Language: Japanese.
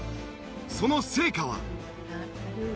その成果は。